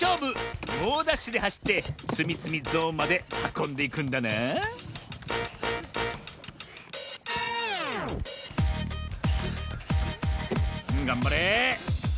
もうダッシュではしってつみつみゾーンまではこんでいくんだながんばれ。